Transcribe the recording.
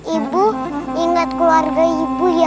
ibu ingat keluarga ibu ya